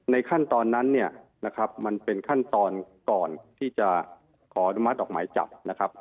ขั้นตอนนั้นเนี่ยนะครับมันเป็นขั้นตอนก่อนที่จะขออนุมัติออกหมายจับนะครับ